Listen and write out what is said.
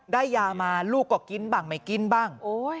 ได้ยามาลูกก็กินบ้างไม่กินบ้าง